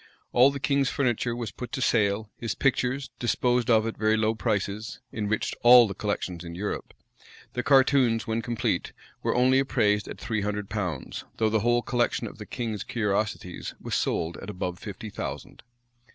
All the king's furniture was put to sale: his pictures, disposed of at very low prices, enriched all the collections in Europe: the cartoons, when complete, were only appraised at three hundred pounds, though the whole collection of the king's curiosities was sold at above fifty thousand,[] * Neale's History of the Puritans, vol.